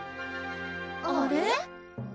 「あれ」？